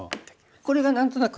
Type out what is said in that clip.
これが何となく。